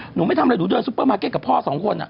หนูไม่ทำอะไรหนูเดินซุปเปอร์มาร์เก็ตกับพ่อสองคน